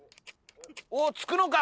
おっ付くのか？